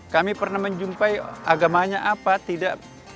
kami pernah menjumpai agamanya apa tidak